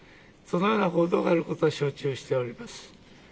そのような報道があることは承知をしております。